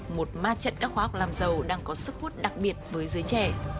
một ma trận các khóa học làm giàu đang có sức hút đặc biệt với giới trẻ